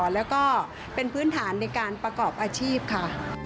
แล้วก็เป็นพื้นฐานในการประกอบอาชีพค่ะ